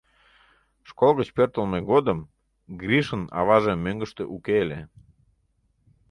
Школ гыч пӧртылмӧ годым Гришын аваже мӧҥгыштӧ уке ыле.